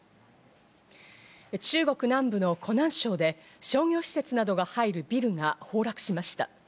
中国南部の湖南省で商業施設などが入るビルが崩落しました。